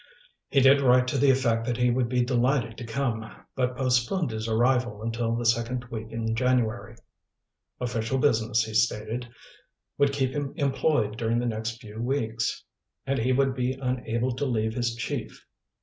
He did write to the effect that he would be delighted to come, but postponed his arrival until the second week in January. Official business, he stated, would keep him employed during the next few weeks, and he would be unable to leave his chief.